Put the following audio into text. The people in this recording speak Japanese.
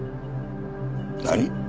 何！？